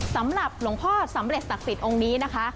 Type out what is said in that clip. สำหรับหลวงพ่อสำเร็จศักดิ์สิทธิ์องค์นี้นะคะ